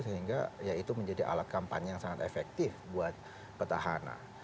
sehingga ya itu menjadi alat kampanye yang sangat efektif buat petahana